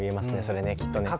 それねきっとね。